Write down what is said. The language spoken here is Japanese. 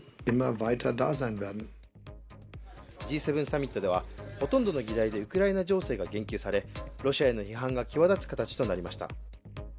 Ｇ７サミットではほとんどの議題でウクライナ情勢が言及され、ロシアの離反が際立つ形となりました。